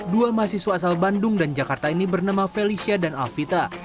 dua mahasiswa asal bandung dan jakarta ini bernama felicia dan alvita